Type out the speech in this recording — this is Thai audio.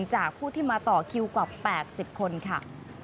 จากผู้ที่มาต่อคิวกว่า๘๐คนค่ะ